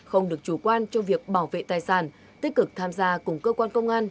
không được chủ quan cho việc bảo vệ tài sản tích cực tham gia cùng cơ quan công an